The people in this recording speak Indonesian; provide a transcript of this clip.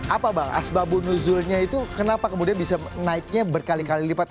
apa bang asbabun nuzulnya itu kenapa kemudian bisa naiknya berkali kali lipat